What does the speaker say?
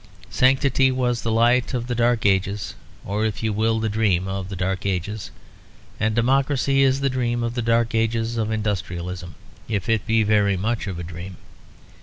Sanctity was the light of the Dark Ages, or if you will the dream of the Dark Ages. And democracy is the dream of the dark age of industrialism; if it be very much of a dream.